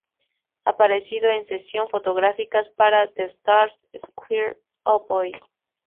Ha aparecido en sesiones fotográficas para "The Star", "Esquire", "Oh Boy!